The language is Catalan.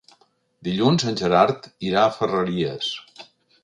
Dilluns en Gerard irà a Ferreries.